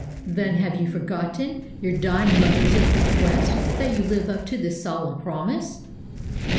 Then have you forgotten your dying mother's request that you live up to this solemn promise?"